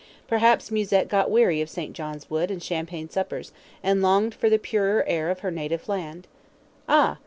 Perhaps Musette got weary of St. John's Wood and champagne suppers, and longed for the purer air of her native land. Ah!